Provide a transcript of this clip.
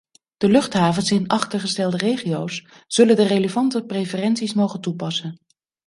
De luchthavens in achtergestelde regio's zullen de relevante preferenties mogen toepassen.